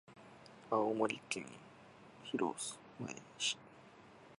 青森県弘前市